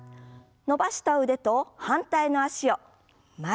伸ばした腕と反対の脚を前です。